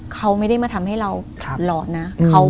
เขาไม่ได้มาทำให้เราหลอนนะ